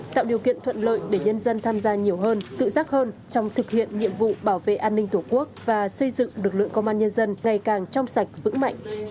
tạo điều kiện thuận lợi để nhân dân tham gia nhiều hơn tự giác hơn trong thực hiện nhiệm vụ bảo vệ an ninh tổ quốc và xây dựng lực lượng công an nhân dân ngày càng trong sạch vững mạnh